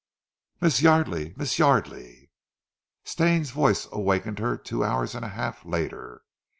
"Miss Yardely! Miss Yardely!" Stane's voice awakened her two hours and a half later.